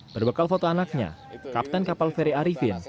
berbekal foto anaknya kapten kapal ferry arifin